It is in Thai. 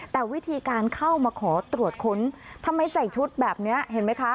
แต่วิธีการเข้ามาขอตรวจค้นทำไมใส่ชุดแบบนี้เห็นไหมคะ